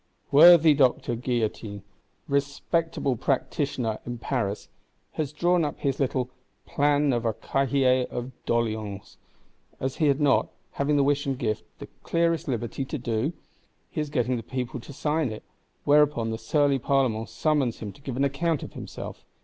Worthy Doctor Guillotin, respectable practitioner in Paris, has drawn up his little "Plan of a Cahier of doléances;"—as had he not, having the wish and gift, the clearest liberty to do? He is getting the people to sign it; whereupon the surly Parlement summons him to give an account of himself.